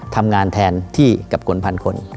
ทำงานแทนที่กับคนพันคน